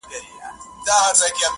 څوک چي وبا نه مني توره بلا نه مني-